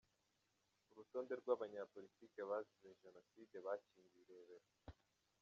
Urutonde rw’abanyapolitiki bazize Jenoside bashyinguye i Rebero.